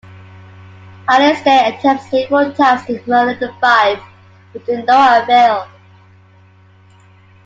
Alistair attempts several times to murder the five, but to no avail.